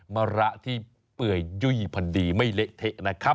มะระที่เปื่อยยุ่ยพอดีไม่เละเทะนะครับ